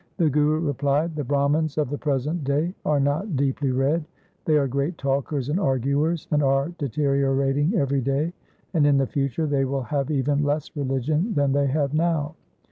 The Guru replied, 'The Brahmans of the present day are not deeply read. They are great talkers and arguers, and are deteriorating every day ; and in the future they will have even less religion than they have now.